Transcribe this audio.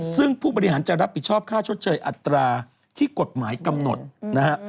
ซึ่งผู้บริหารจะรับผิดชอบค่าชดเชยอัตราที่กฎหมายกำหนดนะฮะ